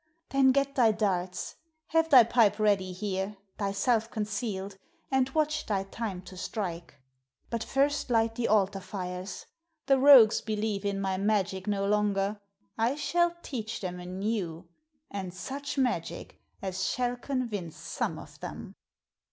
"Then get thy darts. Have thy pipe ready here, thyself concealed, and watch thy time to strike. But first light the altar fires. The rogues believe in my magic no longer; I shall teach them anew, and such magic as shall convince some of them."